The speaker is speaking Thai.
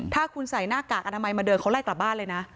ถ้าคุณใส่หน้ากากอนามัยมาเดินเขาไล่กลับบ้านเลยนะ